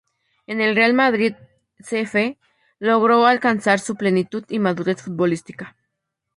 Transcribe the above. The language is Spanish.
En el Real Madrid C. F. logró alcanzar su plenitud y madurez futbolística.